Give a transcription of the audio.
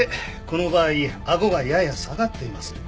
この場合あごがやや下がっています。